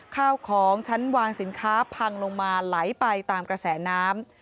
ข้าวของชั้นวางสินค้าพังลงมาไหลไปตามกระแสน้ำ